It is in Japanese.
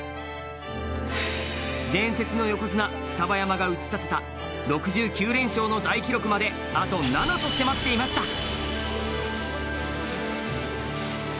伝説の横綱・双葉山が打ち立てた６９連勝の大記録まであと７と迫っていました。